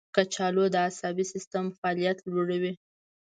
کچالو د عصبي سیستم فعالیت لوړوي.